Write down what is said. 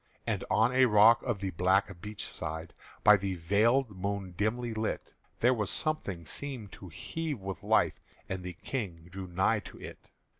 And on a rock of the black beach side By the veiled moon dimly lit, There was something seemed to heave with life As the King drew nigh to it.